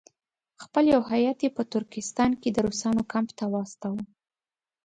خپل یو هیات یې په ترکستان کې د روسانو کمپ ته واستاوه.